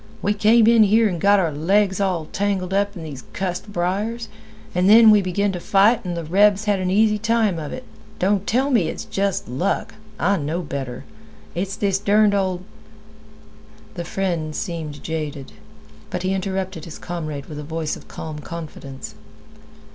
We came in here and got our legs all tangled up in these cussed briers, and then we begin to fight and the rebs had an easy time of it. Don't tell me it's just luck! I know better. It's this derned old—" The friend seemed jaded, but he interrupted his comrade with a voice of calm confidence.